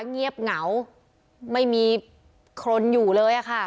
เงียบเหงาไม่มีคนอยู่เลยอะค่ะ